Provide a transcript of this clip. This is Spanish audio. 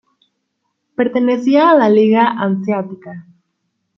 Pertenecía a la Liga hanseática.